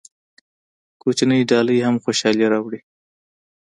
کوچنۍ ډالۍ هم خوشحالي راوړي.